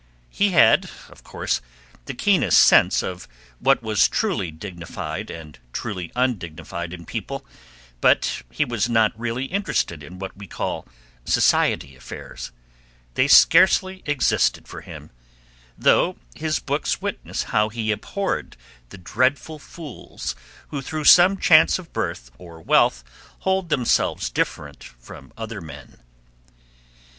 He had, of course, the keenest sense of what was truly dignified and truly undignified in people; but he was not really interested in what we call society affairs; they scarcely existed for him, though his books witness how he abhorred the dreadful fools who through some chance of birth or wealth hold themselves different from other men.